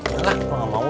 jelak kok nggak mau